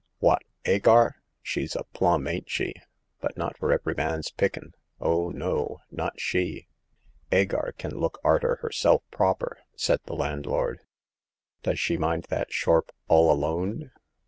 "Wot—' Agar? She's a plum, ain't she? — but not for every man's pickin' ; oh, no ; not she ! 'Agar kin look arter herself proper I " said the landlord. " Does she mind that shorp all alone